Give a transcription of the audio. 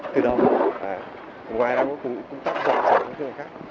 từ đâu ngoài ra cũng tắt dọn dàng các thứ này khác